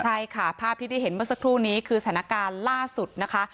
ใช่ค่ะภาพที่ได้เห็นเมื่อสักครู่นี้คือสถานการณ์ล่าสุดนะคะ